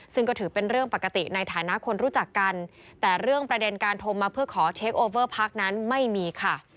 ซึ่งก็ถือเป็นเรื่องปกติในฐานะคนรู้จักกันแต่เรื่องประเด็นการโทรมาเพื่อขอเช็คโอเวอร์พักนั้นไม่มีค่ะ